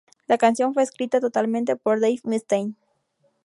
La canción fue escrita totalmente por Dave Mustaine.